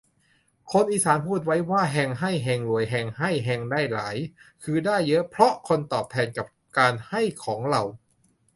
คนอีสานพูดไว้ว่า แฮงให้ แฮงรวย แฮงให้ แฮงได้หลาย คือ ได้เยอะเพราะคนตอบแทนกับการให้ของเรา